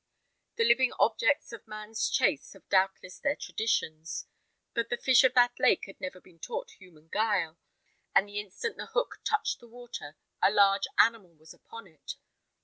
The living objects of man's chase have doubtless their traditions; but the fish of that lake had never been taught human guile, and the instant the hook touched the water a large animal was upon it.